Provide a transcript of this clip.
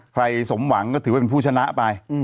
สมหวังก็ถือว่าเป็นผู้ชนะไป